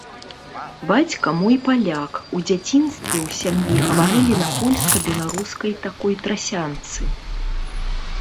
Бацька мой паляк, у дзяцінстве ў сям'і гаварылі на польска-беларускай такой трасянцы.